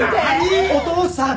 お父さん！